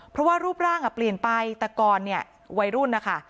เพราะว่ารูปร่างอ่ะเปลี่ยนไปแต่ก่อนเนี่ยวัยรุ่นนะคะ